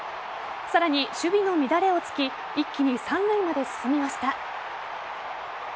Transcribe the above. さらに、守備の乱れを突き一気に三塁まで進みました。